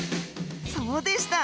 そうでした！